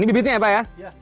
ini debitnya ya pak ya